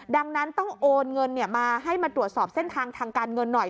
ดังนั้นต้องโอนเงินมาให้มาตรวจสอบเส้นทางทางการเงินหน่อย